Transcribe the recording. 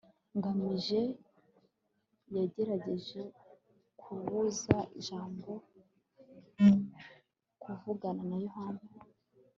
ngamije yagerageje kubuza jabo kuvugana na yohana